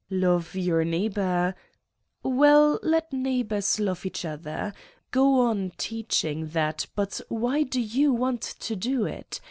..." "Love your neighbor. ..." "Well, let neighbors love each other. Go on teaching that but why do you want to do it?